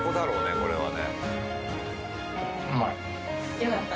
これはね。